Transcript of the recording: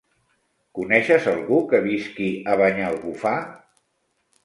Coneixes algú que visqui a Banyalbufar?